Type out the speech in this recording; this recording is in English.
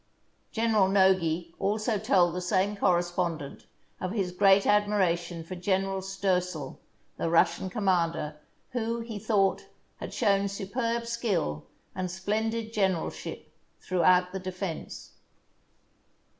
General Nogi also told the same correspondent of his great admiration for General Stoessel, the Russian commander, who, he thought, had shown superb skill and splendid generalship throughout the defence.